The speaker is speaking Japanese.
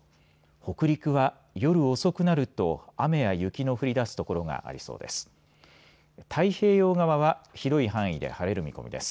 北陸は夜遅くなると雨や雪の降りだす所がありそうです。